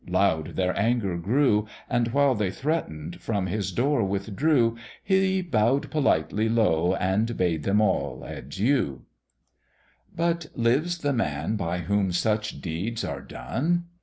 Loud their anger grew, And while they threat'ning from his door withdrew, He bow'd politely low, and bade them all adieu, But lives the man by whom such deeds are done!